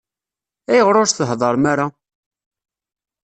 Ayɣer ur s-thedrem ara?